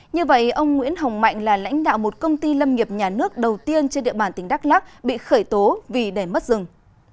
như vậy ông nguyễn hồng mạnh là lãnh đạo một công ty lâm nghiệp nhà nước đầu tiên trên địa bàn tỉnh đắk lắc bị khởi tố vì để mất rừng